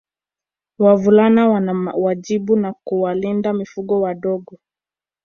Wavulana wana wajibu wa kuwalinda mifugo wadogo